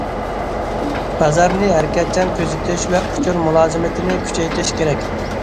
بازارنى ھەرىكەتچان كۆزىتىش ۋە ئۇچۇر مۇلازىمىتىنى كۈچەيتىش كېرەك.